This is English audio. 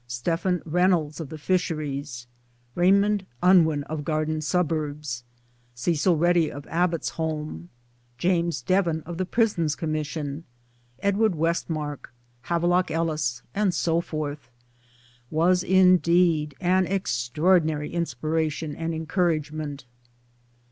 Stephen Reynolds of the Fisheries, Raymond' Unwin of Garden Suburbs, Cecil Reddie of Abbotsholme, James Devon of the Prisons Commission, Edward ,Westermarck, Havelock Ellis, and so forth was in deed an extraordinary inspiration and encouragement.